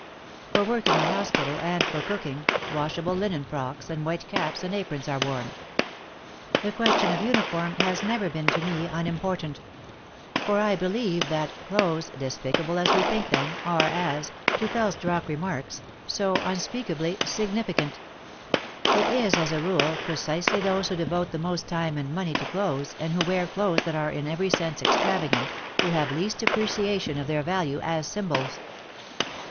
For work in the hospital and for cooking, washable linen frocks and white caps and aprons are worn. The question of uniform has never been to me unimportant. For I believe that '* clothes, despicable as we think them," are, as Teufels drockh remarks, "so unspeakably significant." It is, as a rule, precisely those who devote the most time and money to clothes, and who wear clothes that are in every sense extravagant, who have least appreciation of their value as symbols.